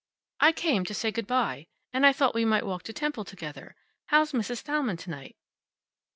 "I came to say good by. And I thought we might walk to temple together. How's Mrs. Thalmann tonight?"